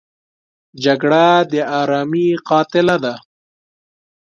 جګړه د آرامۍ قاتله ده